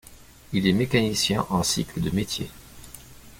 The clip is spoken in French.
Il est mécanicien en cycles de métier.